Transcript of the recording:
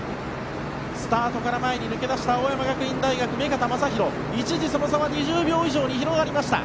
スタートから前に抜け出した青山学院大学、目片将大一時、その差は２０秒以上に広がりました。